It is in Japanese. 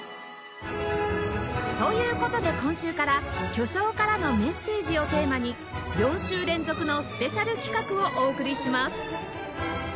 という事で今週から“巨匠からの伝達”をテーマに４週連続のスペシャル企画をお送りします！